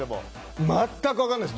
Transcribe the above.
全く分からないです。